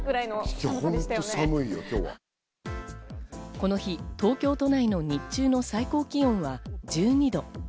この日、東京都内の日中の最高気温は１２度。